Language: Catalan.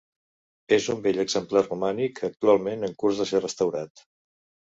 És un bell exemplar romànic, actualment en curs de ser restaurat.